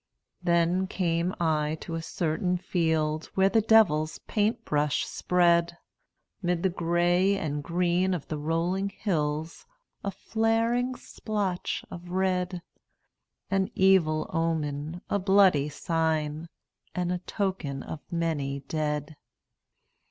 Then came I into a certain field Where the devil's paint brush spread 'Mid the gray and green of the rolling hills A flaring splotch of red, An evil omen, a bloody sign, And a token of many dead.